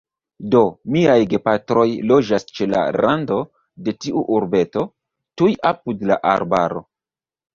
Do, miaj gepatroj loĝas ĉe la rando de tiu urbeto, tuj apud la arbaro.